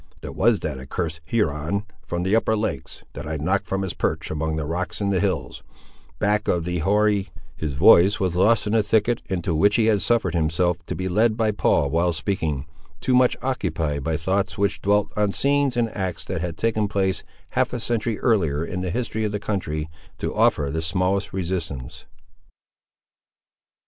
There was that accursed Huron, from the upper lakes, that I knocked from his perch among the rocks in the hills, back of the Hori—" His voice was lost in the thicket, into which he had suffered himself to be led by Paul while speaking, too much occupied by thoughts which dwelt on scenes and acts that had taken place half a century earlier in the history of the country, to offer the smallest resistance.